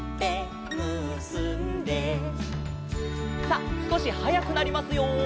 さあすこしはやくなりますよ。